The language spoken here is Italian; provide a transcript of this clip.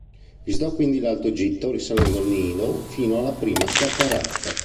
Visitò quindi l'Alto Egitto risalendo il Nilo fino alla prima cataratta.